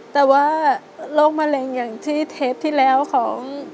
แต่ว่าโรคมะเร็งอย่างที่เทปที่แล้วของ